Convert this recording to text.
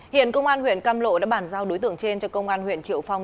hiện công an huyện cam lộ đã bàn giao đối tượng trên cho công an huyện triệu phong